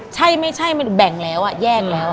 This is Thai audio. ใช่ไม่ใช่แยกแล้ว